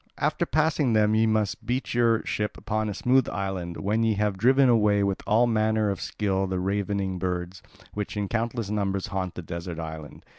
After passing them ye must beach your ship upon a smooth island, when ye have driven away with all manner of skill the ravening birds, which in countless numbers haunt the desert island.